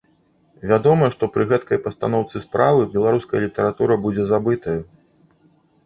Вядома, што пры гэтакай пастаноўцы справы беларуская літаратура будзе забытаю.